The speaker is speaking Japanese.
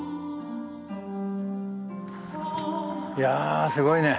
いやすごいね。